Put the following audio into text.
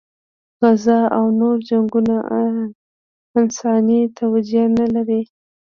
غزه او نور جنګونه انساني توجیه نه لري.